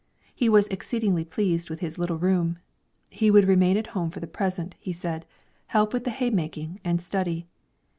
He was exceedingly pleased with his little room. He would remain at home for the present, he said, help with the hay making, and study.